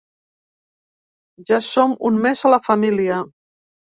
Ja som un més a la família.